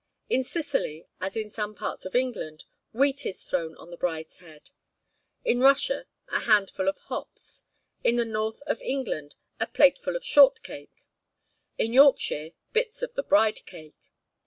In Sicily, as in some parts of England, wheat is thrown on the bride's head; in Russia, a handful of hops; in the north of England a plateful of shortcake; in Yorkshire, bits of the bride cake.